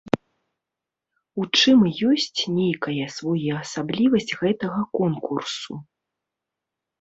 У чым і ёсць нейкая своеасаблівасць гэтага конкурсу.